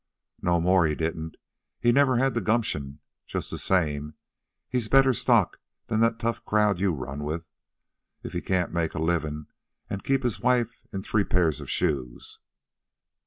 "No more he didn't. He never had the gumption. Just the same, he's better stock than that tough crowd you run with, if he can't make a livin' an' keep his wife in three pairs of shoes.